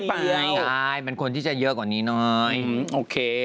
น้อยปลาวครับหน่อยมันคนที่จะเยอะกว่านี้หน่อยโอเค